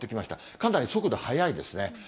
かなり速度、速いですね。